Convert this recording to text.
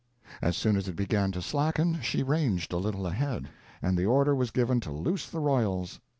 As soon as it began to slacken she ranged a little ahead, and the order was given to loose the royals.